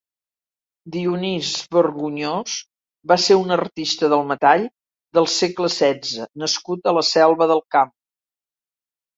Dionís Vergonyós va ser un artista del metall del segle setze nascut a la Selva del Camp.